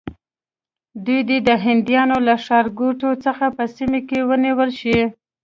دوی دې د هندیانو له ښارګوټو څخه په سیمه کې ونیول شي.